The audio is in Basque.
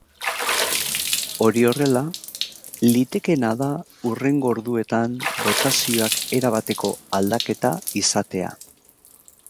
Hori horrela, litekeena da hurrengo orduetan botazioak erabateko aldaketa izatea.